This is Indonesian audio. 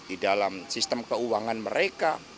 di dalam sistem keuangan mereka